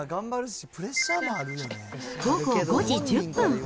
午後５時１０分。